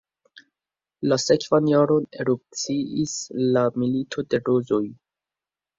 La sekvan jaron erupciis la milito de rozoj.